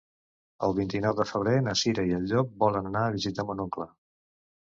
El vint-i-nou de febrer na Cira i en Llop volen anar a visitar mon oncle.